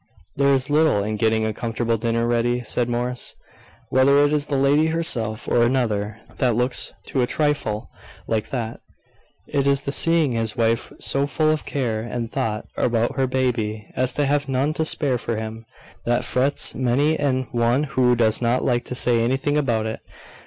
"There is little in getting a comfortable dinner ready," said Morris, "whether it is the lady herself, or another, that looks to a trifle like that. It is the seeing his wife so full of care and thought about her baby as to have none to spare for him, that frets many an one who does not like to say anything about it.